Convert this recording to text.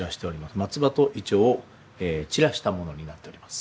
松葉と銀杏を散らしたものになっております。